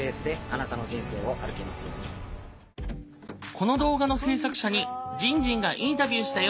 この動画の制作者にじんじんがインタビューしたよ！